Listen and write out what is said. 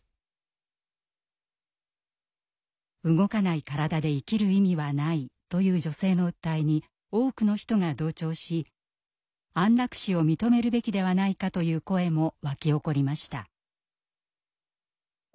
「動かない身体で生きる意味はない」という女性の訴えに多くの人が同調し安楽死を認めるべきではないかという声も沸き起こりました。